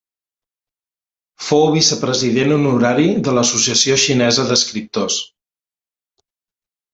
Fou vicepresident honorari de l'Associació xinesa d'Escriptors.